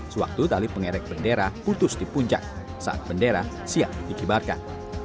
sewaktu tali pengerek bendera putus di puncak saat bendera siap dikibarkan